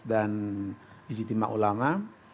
dan ijtima ulama